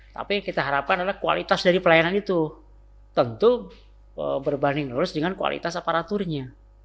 tapi yang kita harapkan adalah kualitas dari pelayanan itu tentu berbanding lurus dengan kualitas aparaturnya